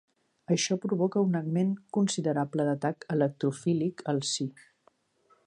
Això provoca un augment considerable d'atac electrofílic al Si.